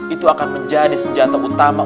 itu akan menjadi senjata utama